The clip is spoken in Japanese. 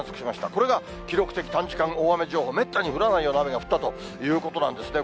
これが記録的短時間大雨情報、めったに降らないような雨が降ったということなんですね。